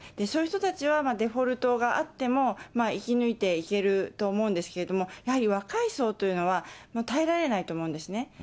そういう人たちはデフォルトがあっても、生き抜いていけると思うんですけれども、やはり若い層というのは、耐えられないと思うんですね。